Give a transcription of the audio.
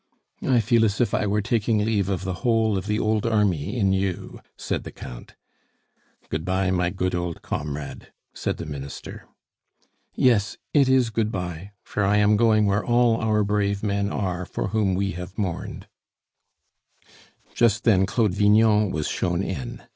"I feel as if I were taking leave of the whole of the old army in you," said the Count. "Good bye, my good old comrade!" said the Minister. "Yes, it is good bye; for I am going where all our brave men are for whom we have mourned " Just then Claude Vignon was shown in.